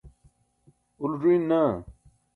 ulo ẓuyin naa